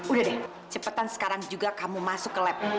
udah deh cepetan sekarang juga kamu masuk ke lab